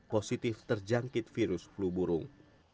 positif terjangkit virus fleburung